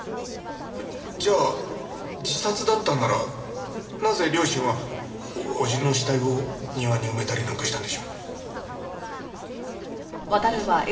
じゃあ自殺だったんならなぜ両親は叔父の死体を庭に埋めたりなんかしたんでしょう？